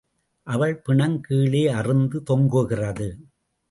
அவள் பிணம் கீழே அறுந்து தொங்குகிறது.